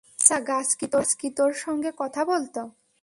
আচ্ছা, গাছ কি তোর সঙ্গে কথা বলত?